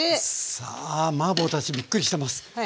さあマーボーたちびっくりしてます。